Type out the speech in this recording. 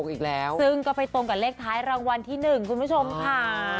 อีกแล้วซึ่งก็ไปตรงกับเลขท้ายรางวัลที่๑คุณผู้ชมค่ะ